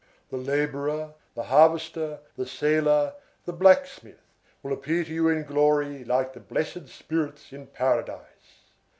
The laborer, the harvester, the sailor, the blacksmith, will appear to you in glory like the blessed spirits in paradise.